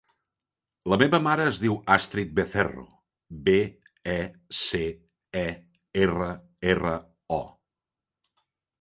La meva mare es diu Astrid Becerro: be, e, ce, e, erra, erra, o.